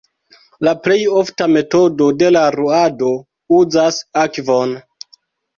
La plej ofta metodo de ruado uzas akvon.